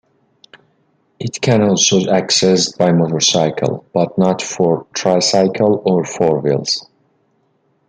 It can also access by motorcycle, but not for Tricycle or Four Wheels.